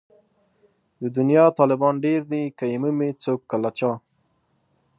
د دنيا طالبان ډېر دي که يې مومي څوک له چا